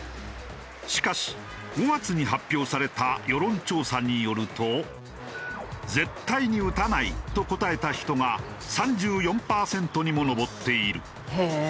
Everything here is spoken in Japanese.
しかし５月に発表された世論調査によると「絶対に打たない」と答えた人が３４パーセントにも上っている。